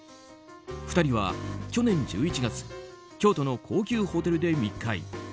２人は去年１１月京都の高級ホテルで密会。